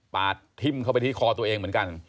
ทิ้มเข้าไปที่คอตัวเองเหมือนกัน